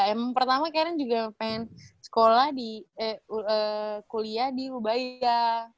emang pertama keren juga pengen sekolah di eh kuliah di ubaya